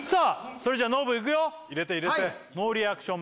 それじゃあノブいくよ入れて入れてノーリアクション